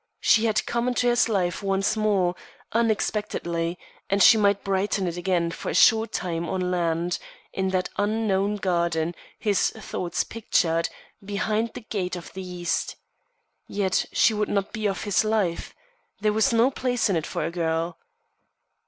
She had come into his life once more, unexpectedly; and she might brighten it again for a short time on land, in that unknown garden his thoughts pictured, behind the gate of the East. Yet she would not be of his life. There was no place in it for a girl.